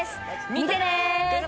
見てね！